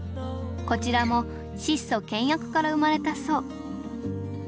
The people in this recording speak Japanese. こちらも質素倹約から生まれたそう。